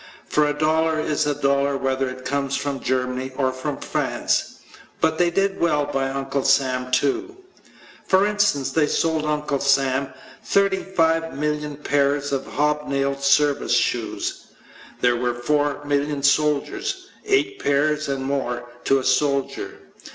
For a dollar is a dollar whether it comes from Germany or from France. But they did well by Uncle Sam too. For instance, they sold Uncle Sam 35,000,000 pairs of hobnailed service shoes. There were 4,000,000 soldiers. Eight pairs, and more, to a soldier.